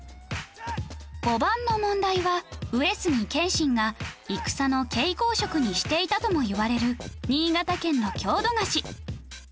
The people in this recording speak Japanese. ５番の問題は上杉謙信が戦の携行食にしていたともいわれる新潟県の郷土菓子